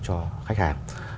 cho khách hàng